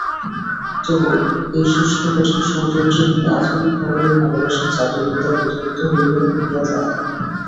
তবু এই শুষ্ককঠিন সৌন্দর্যহীন আধুনিক নগরে ভালোবাসার জাদুবিদ্যা প্রতিহত হইয়া ফিরিয়া যায় না।